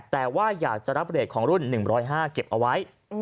แต่ว่าอยากจะรับเรทของรุ่น๑๐๕เก็บเอาไว้